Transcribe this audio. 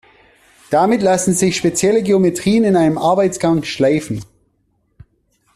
Damit lassen sich spezielle Geometrien in einem Arbeitsgang schleifen.